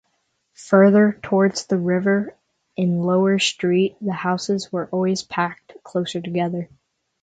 Further towards the river in Lower Street the houses were always packed closer together.